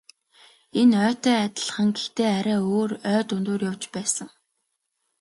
Энэ ойтой адилхан гэхдээ арай өөр ой дундуур явж байсан.